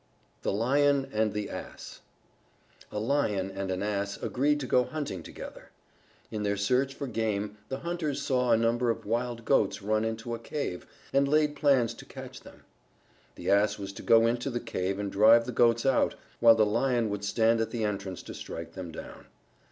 _ THE LION AND THE ASS A Lion and an Ass agreed to go hunting together. In their search for game the hunters saw a number of Wild Goats run into a cave, and laid plans to catch them. The Ass was to go into the cave and drive the Goats out, while the Lion would stand at the entrance to strike them down.